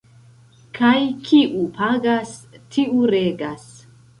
Kaj kiu pagas, tiu regas.